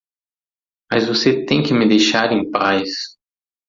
Mas você tem que me deixar em paz.